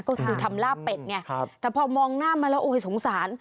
ก็คือทำลาบเป็ดไงแต่พอมองหน้ามาแล้วโอ้ยสงสาร